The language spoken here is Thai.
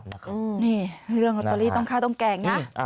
นี่เรื่องอัตโตรีต้องข้าวต้มแก่งนะ